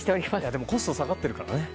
でもコスト下がってるからね。